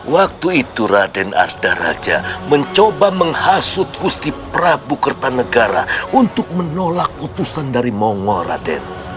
waktu itu raden arda raja mencoba menghasut husti prabu kertanegara untuk menolak utusan dari mongo raden